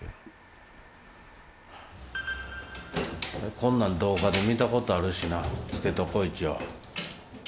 こんなん動画で見たことあるしな付けとこう一応。